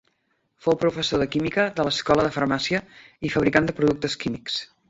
Fou professor de química de l'Escola de Farmàcia i fabricant de productes químics.